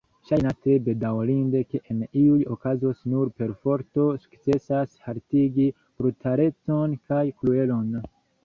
Ŝajnas tre bedaŭrinde, ke en iuj okazoj nur perforto sukcesas haltigi brutalecon kaj kruelon.